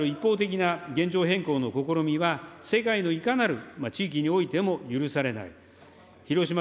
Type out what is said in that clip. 力による一方的な現状変更の試みは、世界のいかなる地域においても許されない。